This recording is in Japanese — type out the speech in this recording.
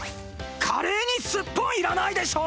カレーにすっぽんいらないでしょ！